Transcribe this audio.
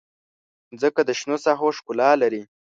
مځکه د شنو ساحو ښکلا لري.